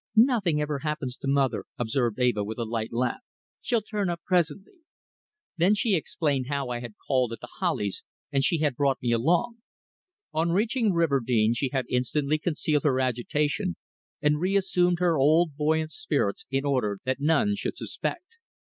"Nothing ever happens to mother," observed Eva, with a light laugh. "She'll turn up presently." Then she explained how I had called at The Hollies and she had brought me along. On reaching Riverdene she had instantly concealed her agitation and reassumed her old buoyant spirits in order that none should suspect.